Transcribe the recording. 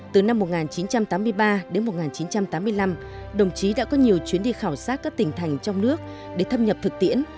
từ năm một nghìn chín trăm tám mươi ba đến một nghìn chín trăm tám mươi năm đồng chí đã có nhiều chuyến đi khảo sát các tỉnh thành trong nước để thâm nhập thực tiễn